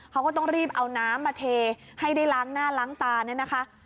เขาก็ต้องรีบเอาน้ำมาเทให้ได้ล้างหน้าล้างตาเนี่ยนะคะ